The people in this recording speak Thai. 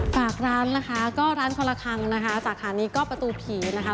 ฝากร้านนะคะก็ร้านคนละครั้งนะคะสาขานี้ก็ประตูผีนะคะ